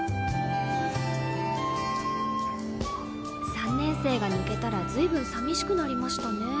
３年生が抜けたら随分淋しくなりましたね。